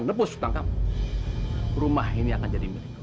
lepas hutang kamu rumah ini akan jadi milik tahu kamu